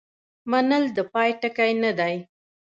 منل د پای ټکی نه دی.